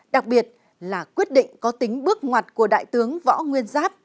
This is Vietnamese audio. đặc biệt là quyết định có tính bước ngoặt của đại tướng võ nguyên giáp